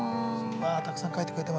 わあたくさん書いてくれてます。